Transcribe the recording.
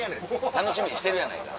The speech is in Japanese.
楽しみにしてるやないか！